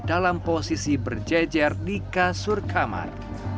dalam posisi berjejer di kasur kamar